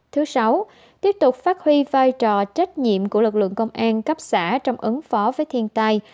thứ sáu tiếp tục phát huy vai trò trách nhiệm của lực lượng công an cấp xã trong ứng phó với thiên tai